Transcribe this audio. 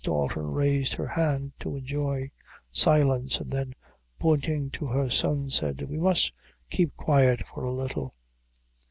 Dalton raised her hand to enjoin silence; and then, pointing to her son, said "We must keep quiet for a little."